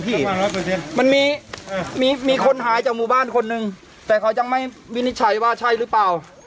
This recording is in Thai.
มันมีมีคนหายจากหมู่บ้านคนนึงแต่เขายังไม่วินิจฉัยว่าใช่หรือเปล่า